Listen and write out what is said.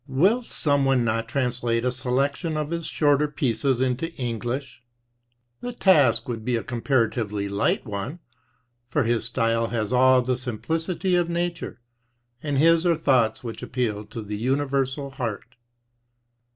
Will some one not translate a selection of his shorter pieces into English? The task would be a comparatively light one, for his style has all the simplicity of nature, and his are thoughts which appeal to the universal heart.